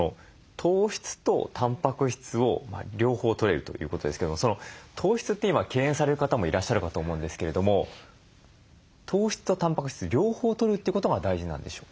糖質とたんぱく質を両方とれるということですけども糖質って今敬遠される方もいらっしゃるかと思うんですけれども糖質とたんぱく質両方とるということが大事なんでしょうか？